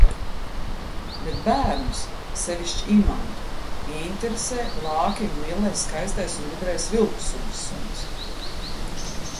Bet bērnus, sevišķi Imantu, ieinteresē Lākinu lielais skaistais un gudrais vilku sugas suns.